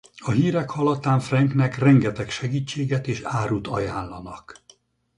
A hírek hallatán Franknek rengeteg segítséget és árut ajánlanak.